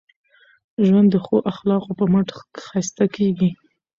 ژوند د ښو اخلاقو په مټ ښایسته کېږي.